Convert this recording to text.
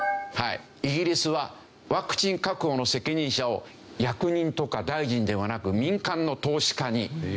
イギリスはワクチン確保の責任者を役人とか大臣ではなく民間の投資家に。